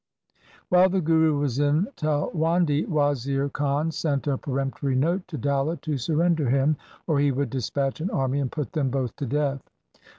While the Guru was in Taiwan di Wazir Khan sent a peremptory note to Dalla to surrender him, or he would dispatch an army and put them both to death.